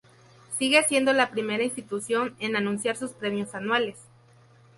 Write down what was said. Sigue siendo la primera institución en anunciar sus premios anuales.